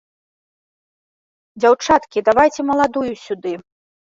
Дзяўчаткі, давайце маладую сюды.